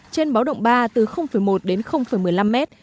trên báo động ba từ một đến một mươi năm mét